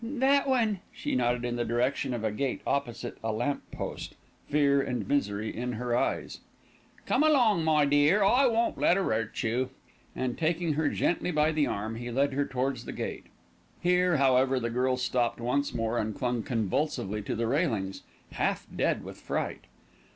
"That one." She nodded in the direction of a gate opposite a lamp post, fear and misery in her eyes. "Come along, my dear. I won't let 'er 'urt you," and, taking her gently by the arm, he led her towards the gate. Here, however, the girl stopped once more and clung convulsively to the railings, half dead with fright.